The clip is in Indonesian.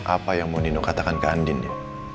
apa yang mau nino katakan ke andin ya